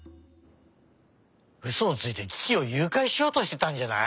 うそをついてキキをゆうかいしようとしてたんじゃない？